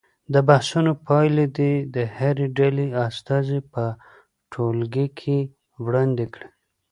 د بحثونو پایلې دې د هرې ډلې استازي په ټولګي کې وړاندې کړي.